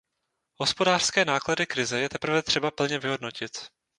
Hospodářské náklady krize je teprve třeba plně vyhodnotit.